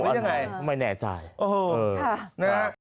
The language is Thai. ไม่ใช่ไหมไม่แน่ใจโอ้โหค่ะนะครับ